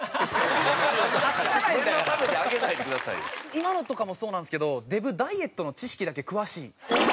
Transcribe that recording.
今のとかもそうなんですけどデブダイエットの知識だけ詳しい。